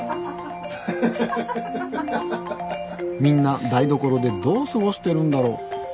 みんな台所でどう過ごしてるんだろう。